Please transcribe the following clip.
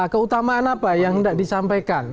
keutamaan apa yang hendak disampaikan